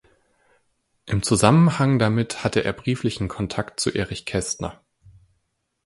Im Zusammenhang damit hatte er brieflichen Kontakt zu Erich Kästner.